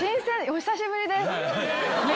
お久しぶりです。